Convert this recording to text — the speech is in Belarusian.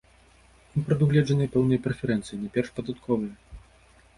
Ім прадугледжаныя пэўныя прэферэнцыі, найперш падатковыя.